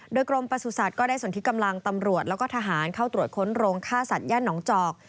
โดยกรมประสุทธิ์ก็ได้ส่วนที่กำลังตำรวจแล้วก็ทหารเข้าตรวจค้นโรงฆ่าสัตย่านหนองจอก